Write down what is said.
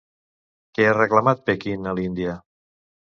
Què ha reclamat Pequín a l'Índia?